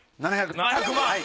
７００万！